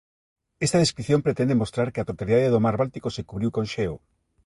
Esta descrición pretende mostrar que a totalidade do mar Báltico se cubriu con xeo.